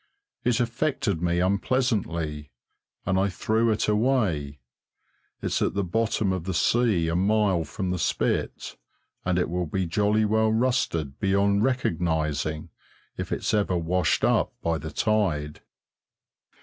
It affected me unpleasantly, and I threw it away; it's at the bottom of the sea a mile from the Spit, and it will be jolly well rusted beyond recognising if it's ever washed up by the tide.